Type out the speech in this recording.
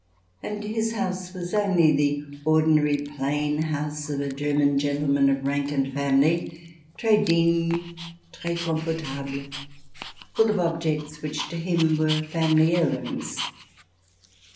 And his house was only the ordinary plain house of a German gentle man of rank and family — tres digne, tres comfortable, full of objects which to him were family heirlooms.